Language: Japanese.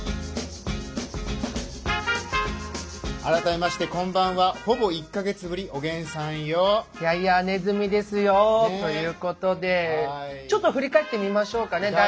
改めましてこんばんはほぼ１か月ぶりおげんさんよ。いやいやねずみですよ。ということでちょっと振り返ってみましょうかね